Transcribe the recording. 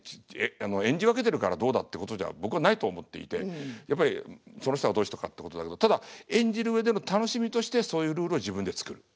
演じ分けてるからどうだってことじゃ僕はないって思っていてやっぱりその人がどうしたかってことだけどただ演じる上での楽しみとしてそういうルールを自分で作る。